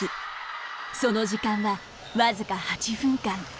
その時間は僅か８分間。